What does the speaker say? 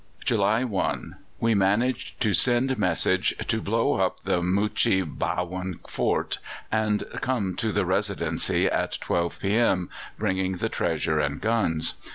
July 1. We managed to send message to blow up the Muchee Bhawun fort and come to the Residency at 12 p.m., bringing the treasure and guns.